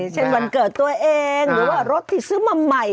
เช่นวันเกิดตัวเองหรือว่ารถที่ซื้อมาใหม่